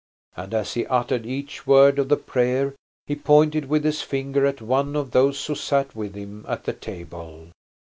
And as he uttered each word of the prayer he pointed with his finger at one of those who sat with him at the table.